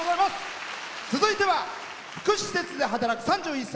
続いては福祉施設で働く３１歳。